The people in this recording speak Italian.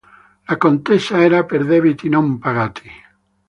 La contesa era per debiti non pagati.